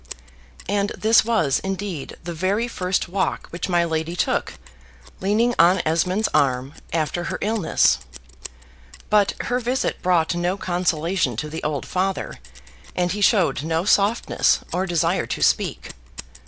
And this was, indeed, the very first walk which my lady took, leaning on Esmond's arm, after her illness. But her visit brought no consolation to the old father; and he showed no softness, or desire to speak.